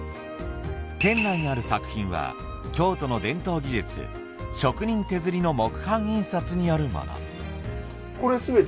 店内にある作品は京都の伝統技術職人手ずりの木版印刷によるもの。